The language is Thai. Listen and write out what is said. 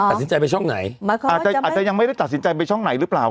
ตัดสินใจไปช่องไหนอาจจะอาจจะยังไม่ได้ตัดสินใจไปช่องไหนหรือเปล่า